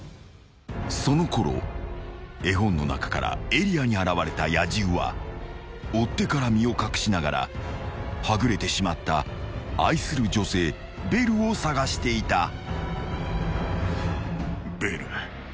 ［そのころ絵本の中からエリアに現れた野獣は追っ手から身を隠しながらはぐれてしまった愛する女性ベルを捜していた］